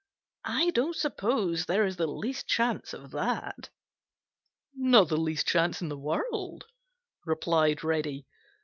I don't suppose there is the least chance of that." "Not the least chance in the world," replied Reddy.